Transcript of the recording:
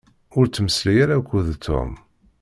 Ur ttmeslay ara akked Tom.